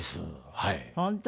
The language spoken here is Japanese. はい。